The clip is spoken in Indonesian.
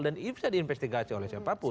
dan bisa diinvestigasi oleh siapapun